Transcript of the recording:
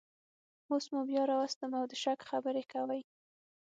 اوس مو بیا راوستلم او د شک خبرې کوئ